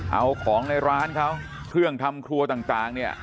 เอาของในร้านเขาเครื่องทำครัวต่างเนี่ย